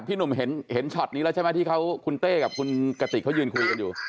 หนุ่มเห็นช็อตนี้แล้วใช่ไหมที่คุณเต้กับคุณกติกเขายืนคุยกันอยู่